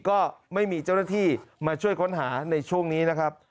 ก็ไม่มีเจ้าหน้าที่มาช่วยค้นหาในช่วงนี้นะครับ